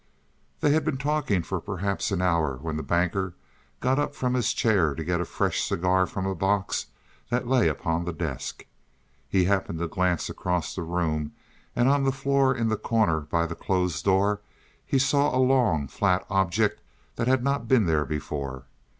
They had been talking for perhaps an hour when the Banker got up from his chair to get a fresh cigar from a box that lay upon the desk. He happened to glance across the room and on the floor in the corner by the closed door he saw a long, flat object that had not been there before.